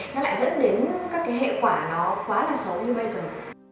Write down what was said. nó lại dẫn đến các cái hệ quả nó quá là xấu như bây giờ